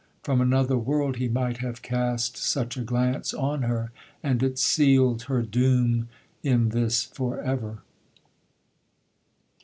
From another world he might have cast such a glance on her,—and it sealed her doom in this for ever.